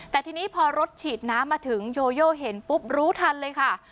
แต่ทีนี้พอรถฉีดน้ำมาถึงโยโยเห็นปุ๊บรู้ทันเลยค่ะ